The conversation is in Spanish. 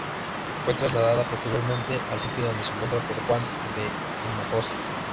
Fue trasladada posteriormente al sitio donde se encuentra por Juan de Hinojosa.